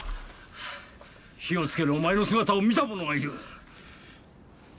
火をつけるお前の姿を見た者がいる。